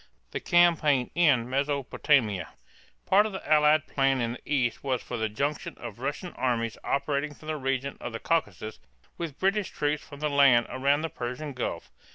THE CAMPAIGN IN MESOPOTAMIA. Part of the Allied plan in the east was for the junction of Russian armies operating from the region of the Caucasus with British troops from the land around the Persian Gulf.